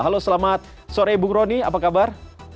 halo selamat sore bung roni apa kabar